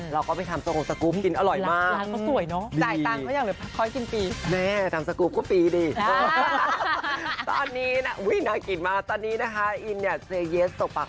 เราก็ไปทำทรงสกรูปกินอร่อยมาก